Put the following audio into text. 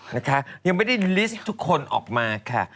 นะคะยังไม่ได้ลิสต์ทุกคนออกมาค่ะ